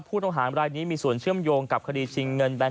ผู้ต้องหามรายนี้มีส่วนเชื่อมโยงกับคดีชิงเงินแบงค